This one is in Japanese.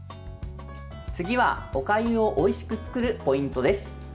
次はおかゆをおいしく作るポイントです。